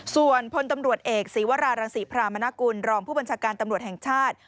ส่วนพลตำรวจเอกศีวรารังศรีพรามนกุลรองผู้บัญชาการตำรวจแห่งชาติ